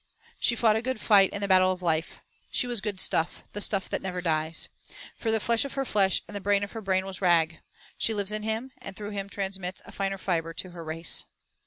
She fought a good fight in the battle of life. She was good stuff; the stuff that never dies. For flesh of her flesh and brain of her brain was Rag. She lives in him, and through him transmits a finer fibre to her race.